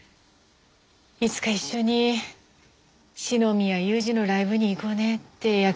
いつか一緒に四宮裕二のライブに行こうねって約束してたから。